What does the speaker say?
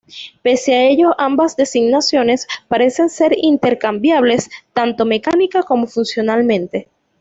Pese a ello ambas designaciones parecen ser intercambiables tanto mecánica como funcionalmente.